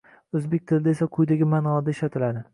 Oʻzbek tilida esa quyidagi maʼnolarda ishlatiladi